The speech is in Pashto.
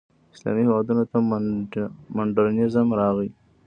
اسلامي هېوادونو ته مډرنیزم راغی.